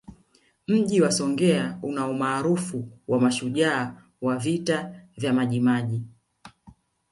Mji wa Songea una umaarufu wa mashujaa wa Vita vya Majimaji